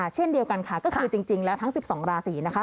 เช่นเดียวกันค่ะก็คือจริงแล้วทั้ง๑๒ราศีนะคะ